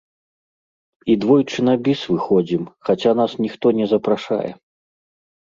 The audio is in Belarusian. І двойчы на біс выходзім, хаця нас ніхто не запрашае.